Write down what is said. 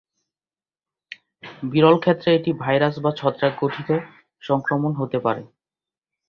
বিরল ক্ষেত্রে এটি ভাইরাস বা ছত্রাক ঘটিত সংক্রমণ হতে পারে।